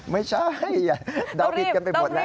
ไม่ใช่เดาผิดกันไปหมดแล้ว